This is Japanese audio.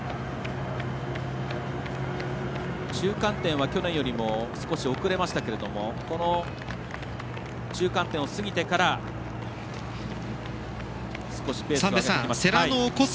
中間点は去年よりも少し遅れましたが中間点を過ぎてから少しペースを上げてきます。